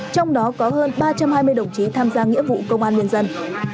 trong đó có hơn ba trăm hai mươi đồng chí tham gia nghĩa vụ công an nhân dân